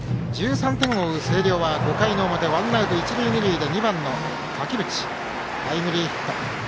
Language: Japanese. １３点を追う星稜は５回の表ワンアウト、一塁二塁で２番の垣淵タイムリーヒット。